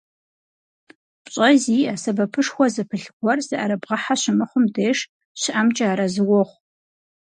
ПщӀэ зиӀэ, сэбэпышхуэ зыпылъ гуэр зыӀэрыбгъэхьэ щымыхъум деж щыӀэмкӀэ арэзы уохъу.